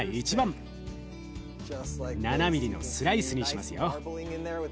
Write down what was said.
７ミリのスライスにしますよ。